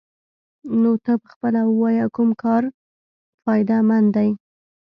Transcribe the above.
نو ته پخپله ووايه کوم کار فايده مند دې.